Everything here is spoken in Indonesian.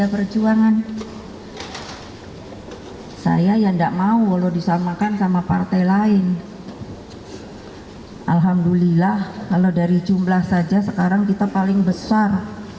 alhamdulillah kalau dari jumlah saja sekarang kita paling besar